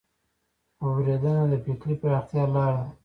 اورېدنه د فکري پراختیا لار ده